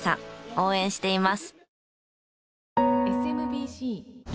応援しています！